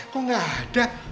kok gak ada